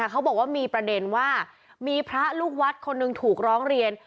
เขาบอกว่ามีประเด็นว่ามีพระลูกวัดคนหนึ่งถูกร้องเรียน